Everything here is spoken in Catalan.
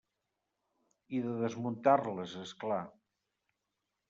I de desmuntar-les, és clar.